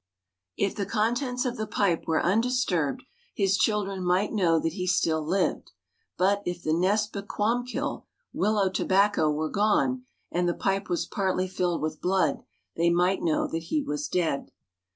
If the contents of the pipe were undisturbed, his children might know that he still lived; but if the "nespe quomkil," willow tobacco, were gone, and the pipe was partly filled with blood, they might know that he was dead.